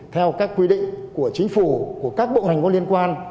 theo các quy định của chính phủ của các bộ hành có liên quan